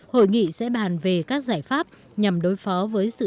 hội nghị sẽ bàn về các giải pháp nhằm đối phó với dịch vụ